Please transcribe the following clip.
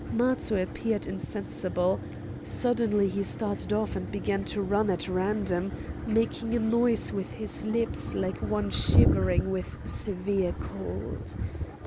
Matho appeared insensible; suddenly he started off and began to run at random, making a noise with his lips like one shivering with severe cold.